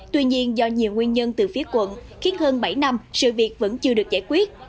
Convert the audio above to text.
tuy nhiên do nhiều nguyên nhân từ phía quận khiến hơn bảy năm sự việc vẫn chưa được giải quyết